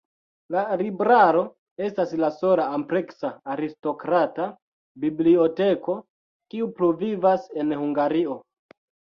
La libraro estas la sola ampleksa aristokrata biblioteko, kiu pluvivas en Hungario.